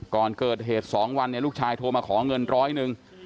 ก่อนเกิดเหตุสองวันเนี่ยลูกชายโทรมาขอเงินร้อยนึง